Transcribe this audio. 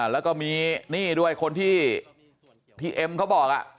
แล้วก็มีนี่ด้วยคนที่เอ็มเขาบอก